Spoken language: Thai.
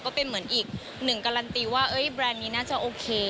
ก็เป็นเหมือนอีกหนึ่งการันตีว่าแบรนด์นี้น่าจะโอเค